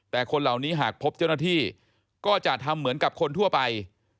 แต่คนเหล่านี้หากพบเจ้าหน้าที่ก็จะทำเหมือนกับคนทั่วไป